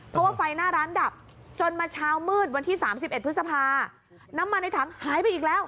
เพราะว่าไฟหน้าร้านดับจนมาเช้ามืดวันที่๓๑พฤษภาน้ำมันในถังหายไปอีกแล้ว